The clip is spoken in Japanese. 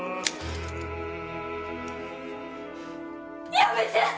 やめて！